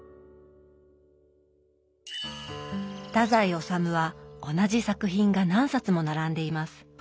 太宰治は同じ作品が何冊も並んでいます。